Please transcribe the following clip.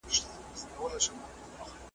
وه دي ګټل وه مو لیدل یاره زنداباد